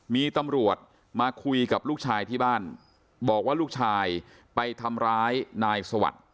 มีตำรวจมาคุยกับลูกชายที่บ้านบอกว่าลูกชายไปทำร้ายนายสวัสดิ์